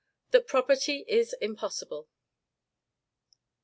THAT PROPERTY IS IMPOSSIBLE.